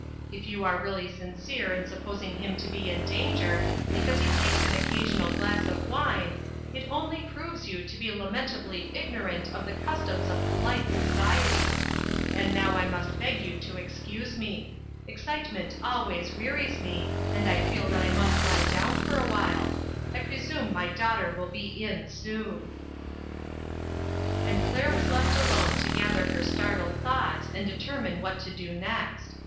If you are really sincere in supposing him to be in danger, because he takes an occa sional glass of wine, it only proves you to be lamentably ignorant of the customs of polite society. And now I must beg INTERRUPTED. you to excuse me. Excitement always wearies me, and I feel that I must lie down for awhile. I presume my daughter will be in soon." And Claire was left alone to gather her startled thoughts and determine what to do next.